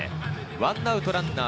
１アウトランナー